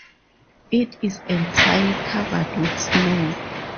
It is entirely covered with snow.